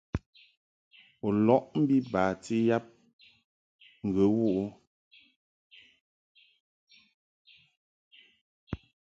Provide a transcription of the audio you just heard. U lɔʼ mbi bati yab ghə wuʼ ɨ ?